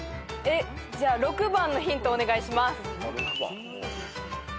じゃあ６番のヒントお願いします。